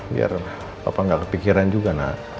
biar papa gak kepikiran juga nak